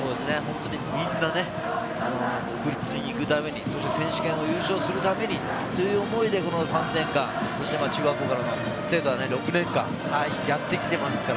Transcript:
みんな国立に行くために、選手権で優勝するためにという思いで、３年間、中学校からの生徒は６年間やってきていますから。